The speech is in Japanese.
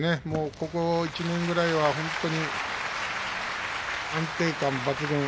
ここ１年ぐらいは本当に安定感抜群。